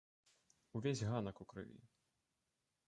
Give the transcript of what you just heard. Увесь ганак у крыві.